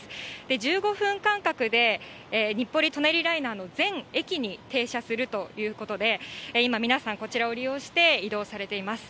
１５分間隔で日暮里・舎人ライナーの全駅に停車するということで、今、皆さんこちらを利用して、移動されています。